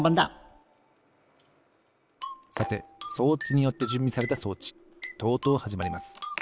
さて装置によってじゅんびされた装置とうとうはじまります。